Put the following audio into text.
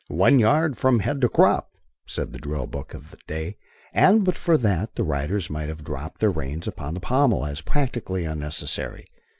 "One yard from head to croup," said the drill book of the day, and, but for that, the riders might have dropped their reins upon the pommel as practically unnecessary.